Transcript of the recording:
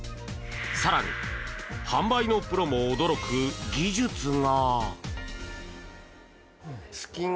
更に販売のプロも驚く技術が。